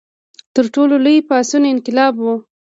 تر ټولو لوی پاڅون انقلاب و.